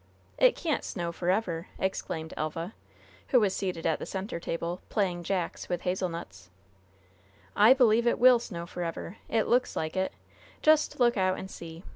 "It can't snow forever!" exclaimed Elva, who was seated at the center table, playing "jacks" with hazelnuts. "I believe it will snow forever! It looks like it. Just look out and see!